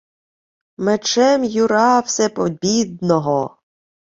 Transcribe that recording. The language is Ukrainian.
— Мечем Юра Всепобідного...